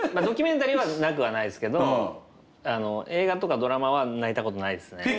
ドキュメンタリーはなくはないですけど映画とかドラマは泣いたことないですね。